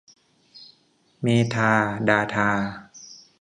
เมทาดาทา